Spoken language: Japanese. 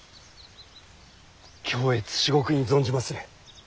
恐悦至極に存じまする！